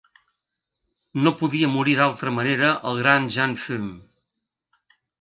… no podia morir d'altra manera el gran Jan-Fume.